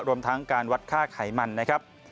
รวมทั้งการวัดค่าไขมันนะครับ